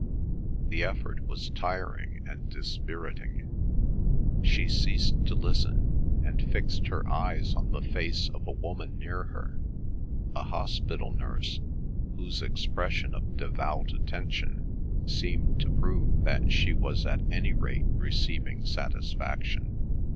The effort was tiring and dispiriting. She ceased to listen, and fixed her eyes on the face of a woman near her, a hospital nurse, whose expression of devout attention seemed to prove that she was at any rate receiving satisfaction.